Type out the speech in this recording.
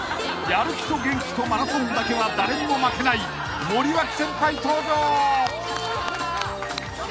［やる気と元気とマラソンだけは誰にも負けない森脇先輩登場！］